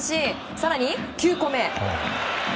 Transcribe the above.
更に９個目。